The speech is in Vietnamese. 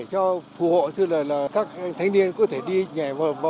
cho phù hộ cho các thanh niên có thể đi nhảy vào lửa không bị bỏng